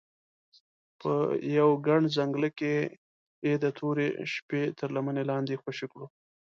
په یوه ګڼ ځنګله کې یې د تورې شپې تر لمنې لاندې خوشې کړو.